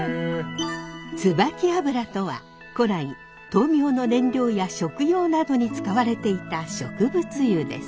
つばき油とは古来灯明の燃料や食用などに使われていた植物油です。